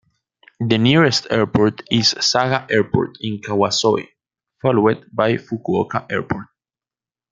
The nearest airport is Saga Airport in Kawasoe, followed by Fukuoka Airport.